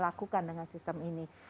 lakukan dengan sistem ini